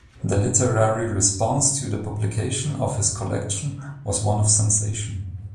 The literary response to the publication of this collection was one of sensation.